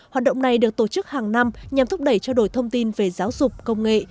hoạt động này được tổ chức hàng năm nhằm thúc đẩy trao đổi thông tin về giáo dục công nghệ